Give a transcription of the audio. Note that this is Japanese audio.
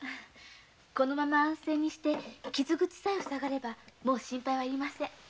このまま安静にして傷口さえふさがればもう心配要りません。